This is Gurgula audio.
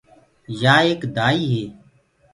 يآ ايڪ دآئي هي۔